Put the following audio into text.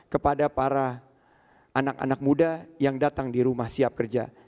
kepada para anak anak muda yang datang di rumah siap kerja